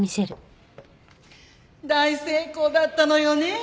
大成功だったのよね！